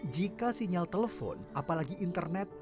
jika sinyal telepon apalagi internet